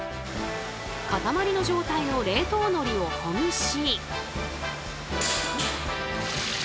塊の状態の冷凍海苔をほぐし。